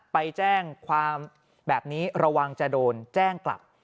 ไปแจ้งความแบบนี้ระวังจะโดนแจ้งกลับ